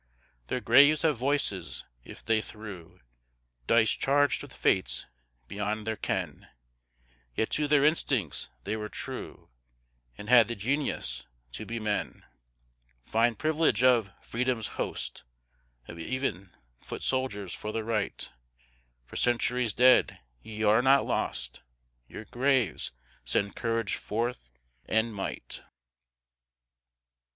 Their graves have voices; if they threw Dice charged with fates beyond their ken, Yet to their instincts they were true, And had the genius to be men. Fine privilege of Freedom's host, Of even foot soldiers for the Right! For centuries dead, ye are not lost, Your graves send courage forth, and might.